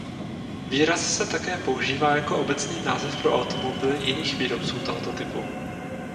Výraz se také používá jako obecný název pro automobily jiných výrobců tohoto typu.